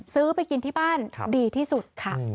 ซื้อไปกินที่บ้านดีที่สุดค่ะ